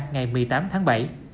ngày một mươi tám tháng bảy